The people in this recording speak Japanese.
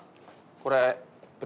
これ。